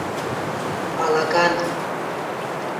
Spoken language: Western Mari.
Балаган.